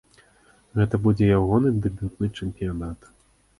Гэта будзе ягоны дэбютны чэмпіянат.